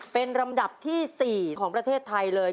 เป็นลำดับที่๔ของประเทศไทยเลย